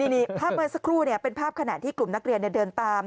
นี่ภาพเมื่อสักครู่เป็นภาพขณะที่กลุ่มนักเรียนเดินตาม